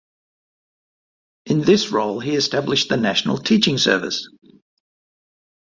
In this role he established the National Teaching Service.